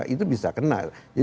itu bisa kena